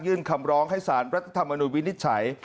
ยื่นคำร้องให้ศาลรัฐธรรมนูญวินิจฉัย